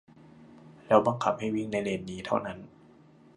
แล้วบังคับให้วิ่งในเลนนี้เท่านั้น